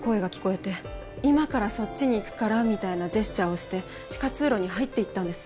「今からそっちに行くから」みたいなジェスチャーをして地下通路に入っていったんです。